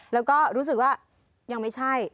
แล้วก็รู้สึกว่ายังไม่ใช่